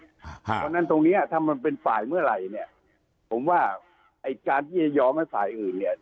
เพราะฉะนั้นตรงเนี้ยถ้ามันเป็นฝ่ายเมื่อไหร่เนี่ยผมว่าไอ้การที่จะยอมให้ฝ่ายอื่นเนี่ย